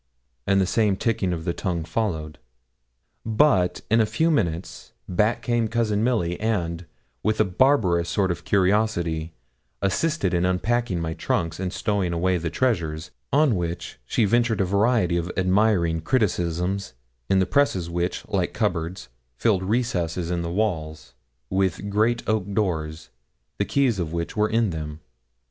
and the same ticking of the tongue followed. But, in a few minutes, back came Cousin Milly, and, with a barbarous sort of curiosity, assisted in unpacking my trunks, and stowing away the treasures, on which she ventured a variety of admiring criticisms, in the presses which, like cupboards, filled recesses in the walls, with great oak doors, the keys of which were in them.